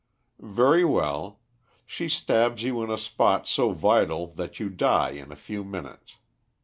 "Very well. She stabs you in a spot so vital that you die in a few minutes.